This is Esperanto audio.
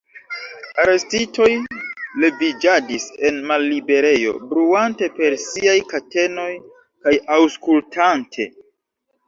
Arestitoj leviĝadis en malliberejo, bruante per siaj katenoj kaj aŭskultante.